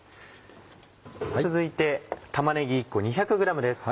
続いて玉ねぎ１個２００ｇです。